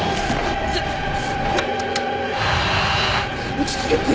落ち着けって。